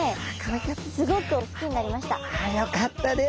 よかったです！